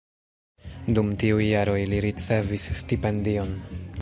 Dum tiuj jaroj li ricevis stipendion.